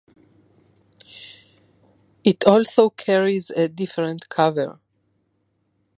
It also carries a different cover.